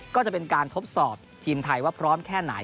ก็จะเป็นการทดสอบทีมไทยว่าพร้อมแค่ไหน